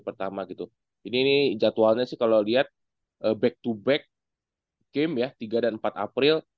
pertama gitu ini jadwalnya sih kalau lihat back to back game ya tiga dan empat april